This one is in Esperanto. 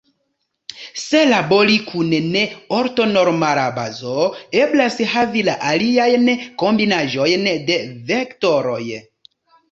Se labori kun ne-ortonormala bazo, eblas havi la aliajn kombinaĵojn de vektoroj.